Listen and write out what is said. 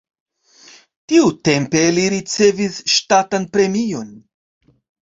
Tiutempe li ricevis ŝtatan premion.